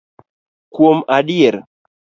Kuom adier